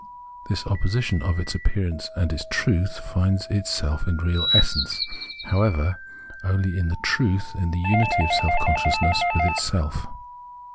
This opposition of its appearance and its truth finds its real essence, however, only in the truth — in the unity of self consciousness with itself.